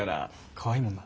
かわいいもんな。